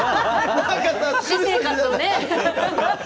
私生活をね。